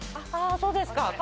あそうですか。